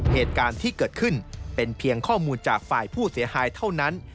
เหตุการณ์ที่เกิดขึ้นเป็นเพียงข้อมูลจากฝ่ายผู้เสียหายเท่านั้น